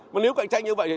mà nếu cạnh tranh như vậy